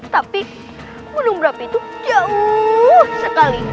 tapi gunung merapi itu jauh sekali